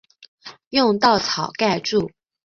用稻草盖著